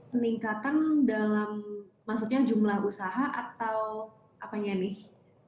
peningkatan dalam maksudnya jumlah usaha atau apanya nih